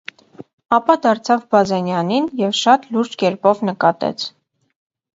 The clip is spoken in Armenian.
ապա դարձավ Բազենյանին և շատ լուրջ կերպով նկատեց.